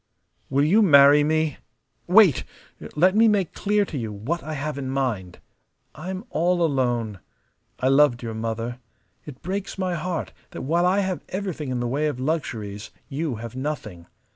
"Will you marry me? Wait! Let me make clear to you what I have in mind. I'm all alone. I loved your mother. It breaks my heart that while I have everything in the way of luxuries you have nothing.